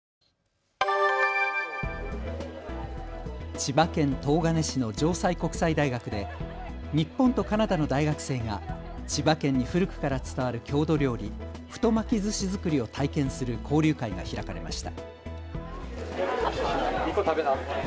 千葉県東金市の城西国際大学で日本とカナダの大学生が千葉県に古くから伝わる郷土料理、太巻きずし作りを体験する交流会が開かれました。